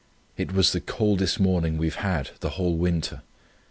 It was the coldest morning we have had the whole winter.